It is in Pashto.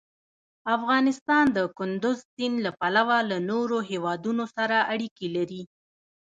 افغانستان د کندز سیند له پلوه له نورو هېوادونو سره اړیکې لري.